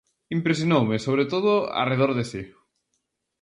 Impresionoume, sobre todo, Arredor de si.